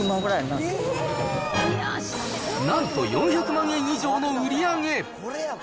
なんと４００万円以上の売り上げ。